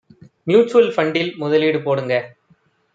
mutual ஃபண்டில் முதலீடு போடுங்க